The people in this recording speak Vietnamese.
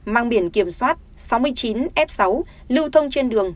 mang biển kiểm soát sáu mươi chín f sáu lưu thông trên đường